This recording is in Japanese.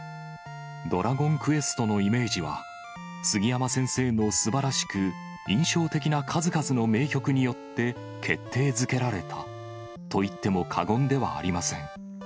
ドラゴンクエストのイメージは、すぎやま先生のすばらしく、印象的な数々の名曲によって決定づけられたと言っても過言ではありません。